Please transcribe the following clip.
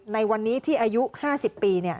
ในวันนี้ที่อายุ๕๐ปี